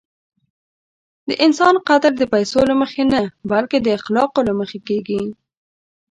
د انسان قدر د پیسو له مخې نه، بلکې د اخلاقو له مخې کېږي.